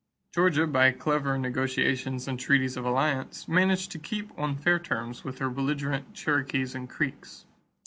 Georgia, by clever negotiations and treaties of alliance, managed to keep on fair terms with her belligerent Cherokees and Creeks.